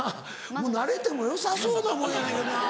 慣れてもよさそうなもんやねんけどな。